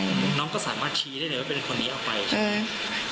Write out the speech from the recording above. อืมน้องก็สามารถชี้ได้เลยว่าเป็นคนนี้เอาไปใช่